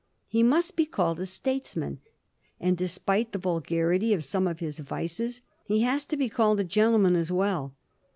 He must be called a statesman ; and, despite the vulgarity of some of his vices, he has to be called a gentleman as well.